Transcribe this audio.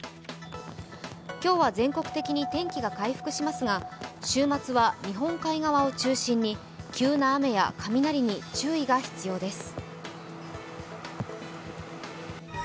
今日は全国的に天気が回復しますが週末は日本海側を中心に急な雨や雷に注意が必要です。